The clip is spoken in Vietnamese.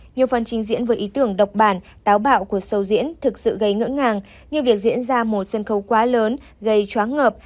nhiều phần trình diễn với ý tưởng độc bản táo bạo của sầu diễn thực sự gây ngỡ ngàng như việc diễn ra một sân khấu quá lớn gây chóng ngợp